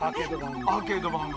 アーケード版が。